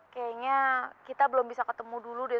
kayaknya kita belum bisa ketemu dulu deh